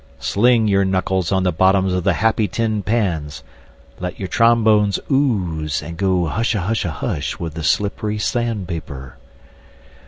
Sling your knuckles on the bottoms of the happy tin pans, let your trombones ooze, and go hushahusha hush with the slippery sand paper.